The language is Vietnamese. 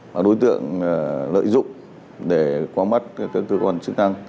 mà đối tượng lợi dụng để qua mắt các cơ quan chức năng